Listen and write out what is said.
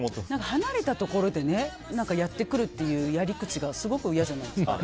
離れたところでやってくるっていうやり口がすごい嫌じゃないですか？